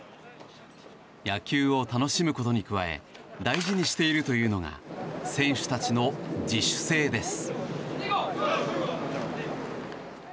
野球を楽しむことに加え大事にしているというのが選手たちの自主性です。